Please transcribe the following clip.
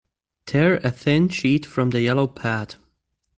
Tear a thin sheet from the yellow pad.